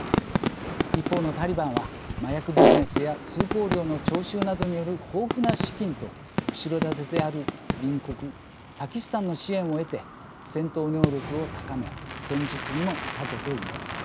一方のタリバンは麻薬ビジネスや通行料の徴収などによる豊富な資金と後ろ盾である隣国パキスタンの支援を得て戦闘能力を高め戦術にもたけています。